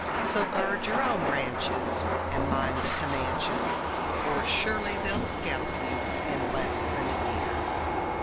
So guard your own ranches, and mind the Comanches Or surely they'll scalp you in less than a year.